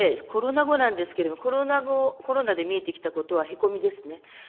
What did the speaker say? さて、コロナ後なんですけれども、コロナ後、コロナで見えてきたことはへこみですね。